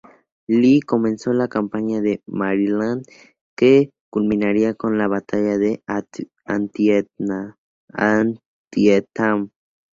Lee comenzó la Campaña de Maryland que culminaría con la batalla de Antietam.